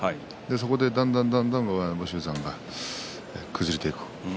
そこでだんだん武将山が崩れていく。